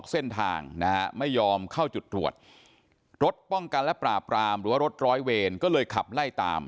เส้นทางนะฮะไม่ยอมเข้าจุดตรวจรถป้องกันและปราบรามหรือว่ารถร้อยเวรก็เลยขับไล่ตาม